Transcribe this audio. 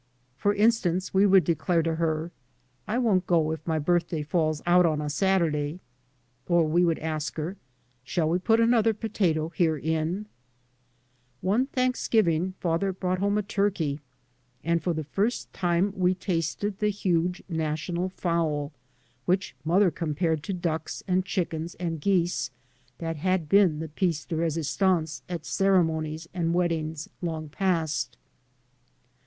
For instance we would declare to her, " I won't go if my birthday falls out on a Saturday," or we would ask her, " Shall we put another potato here in ?" One Thanksgiving father brought home a turkey and for the first time we tasted the huge national fowl, which mother compared to ducks and chickens and [io8] 3 by Google MY MOTHER AND I geese that had been the piece de resistance at ceremonies and weddings long past.